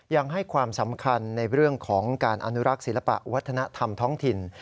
ยังให้ความสำคัญในเรื่องของการอนุรักษ์ศิลปะวัฒนธรรมท้องถิ่น